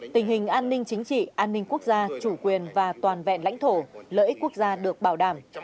tình hình an ninh chính trị an ninh quốc gia chủ quyền và toàn vẹn lãnh thổ lợi ích quốc gia được bảo đảm